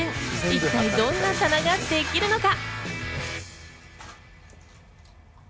一体どんな棚ができるのか。